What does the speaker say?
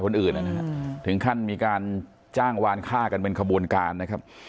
คนอื่นนะฮะถึงขั้นมีการจ้างวานฆ่ากันเป็นขบวนการนะครับ